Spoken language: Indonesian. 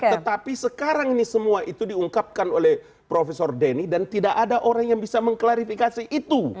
tetapi sekarang ini semua itu diungkapkan oleh profesor denny dan tidak ada orang yang bisa mengklarifikasi itu